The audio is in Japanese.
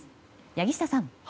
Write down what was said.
柳下さん。